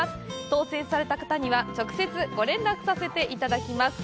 当せんされた方には、直接ご連絡させていただきます。